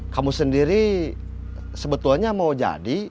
kamu sendiri sebetulnya mau jadi